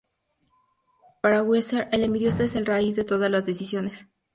Para Wieser, el individuo es la raíz de todas las decisiones.